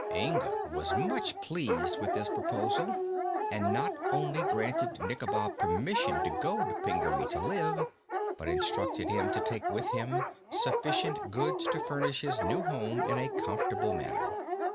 Inga was much pleased with this proposal and not only granted Nikobob permission to go to Pingaree to live, but instructed him to take with him sufficient goods to furnish his new home in a comfortable manner.